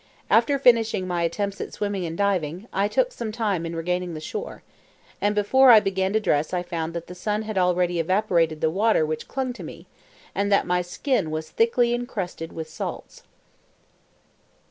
After finishing my attempts at swimming and diving, I took some time in regaining the shore, and before I began to dress I found that the sun had already evaporated the water which clung to me, and that my skin was thickly encrusted with salts.